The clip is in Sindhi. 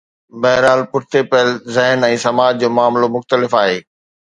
بهرحال پٺتي پيل ذهن ۽ سماج جو معاملو مختلف آهي.